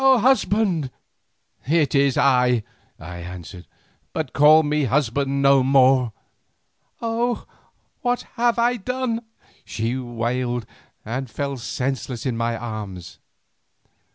husband!" "It is I," I answered, "but call me husband no more." "Oh! what have I done?" she wailed, and fell senseless in my arms.